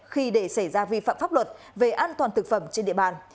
khi để xảy ra vi phạm pháp luật về an toàn thực phẩm trên địa bàn